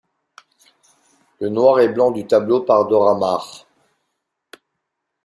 Le noir et blanc du tableau par Dora Maar.